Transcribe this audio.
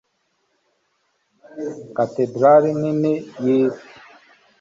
Katedrali nini yisi